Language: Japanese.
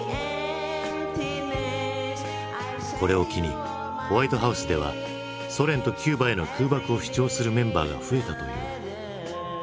これを機にホワイトハウスではソ連とキューバへの空爆を主張するメンバーが増えたという。